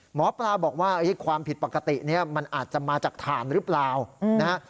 หมอปลาบอกว่าความผิดปกตินี้มันอาจจะมาจากฐานหรือเปล่านะฮะ